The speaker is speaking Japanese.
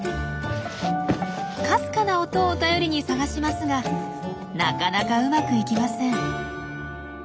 かすかな音を頼りに探しますがなかなかうまくいきません。